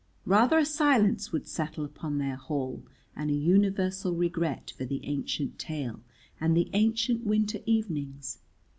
Rather a silence would settle upon their hall and a universal regret for the ancient tale and the ancient winter evenings.